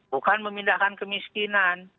bukan memindahkan kemiskinan